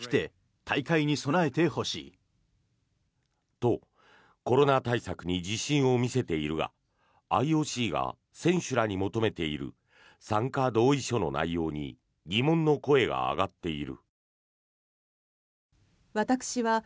と、コロナ対策に自信を見せているがＩＯＣは選手らに求めている参加同意書の内容に疑問の声が上がっている。